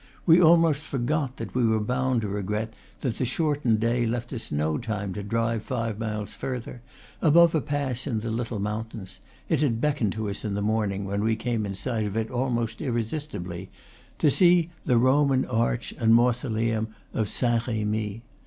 We almost forgot that we were bound to regret that the shortened day left us no time to drive five miles further, above a pass in the little mountains it had beckoned to us in the morning, when we came in sight of it, almost irresistibly to see the Ro man arch and mausoleum of Saint Remy.